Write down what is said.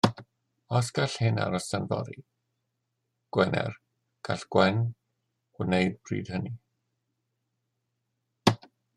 Os gall hyn aros tan fory Gwener gall Gwen wneud bryd hynny.